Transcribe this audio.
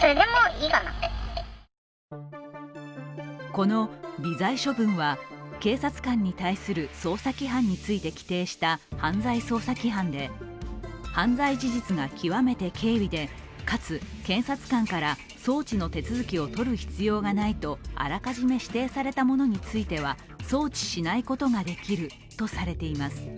この微罪処分は警察官に対する捜査規範について規定した犯罪捜査規範で犯罪事実が極めて軽微でかつ、検察官から送致の手続を取る必要がないとあらかじめ指定されたものについては送致しないことができるとされています。